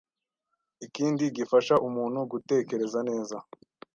Ikindi gifasha umuntu gutekereza neza